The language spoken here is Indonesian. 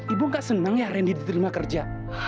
ibu gak senang ya randy diterima kerja